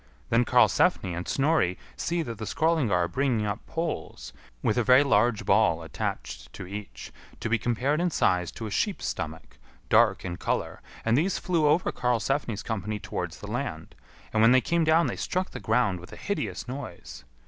Then Karlsefni and Snorri see that the Skrœlingar are bringing up poles, with a very large ball attached to each, to be compared in size to a sheep's stomach, dark in colour; and these flew over Karlsefni's company towards the land, and when they came down they struck the ground with a hideous noise.